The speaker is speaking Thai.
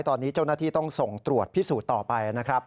ตอนนี้เจ้าหน้าที่ต้องส่งตรวจพิสูจน์ต่อไปนะครับ